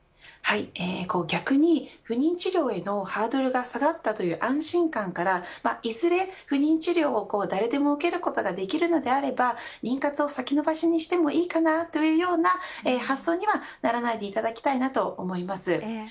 逆に不妊治療へのハードルが下がったという安心感からいずれ不妊治療を誰でも受けることができるのであれば妊活を先延ばしにしてもいいかなというような発想には、ならないでいただきたいと思います。